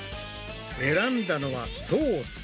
選んだのはソース。